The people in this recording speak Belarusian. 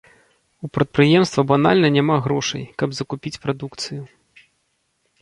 У прадпрыемства банальна няма грошай, каб закупіць прадукцыю.